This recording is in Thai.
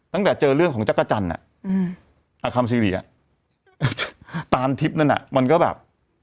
ตั้งแต่เจอเรื่องของจักรจันทร์อ่ะอาคาร์มซีรีย์ตามทริปนั้นมันก็แบบ